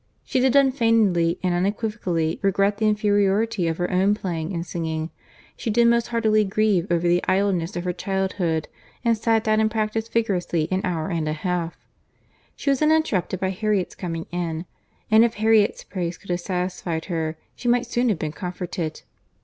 She did unfeignedly and unequivocally regret the inferiority of her own playing and singing. She did most heartily grieve over the idleness of her childhood—and sat down and practised vigorously an hour and a half. She was then interrupted by Harriet's coming in; and if Harriet's praise could have satisfied her, she might soon have been comforted.